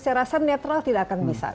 saya rasa netral tidak akan bisa